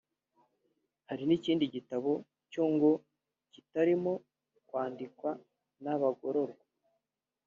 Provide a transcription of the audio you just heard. Hari n’ikindi gitabo cyo ngo kitarimo kwandikwa n’abagororwa